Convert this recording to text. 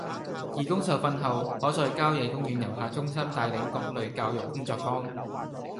義工受訓後可在郊野公園遊客中心帶領各類教育工作坊